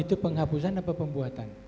itu penghapusan apa pembuatan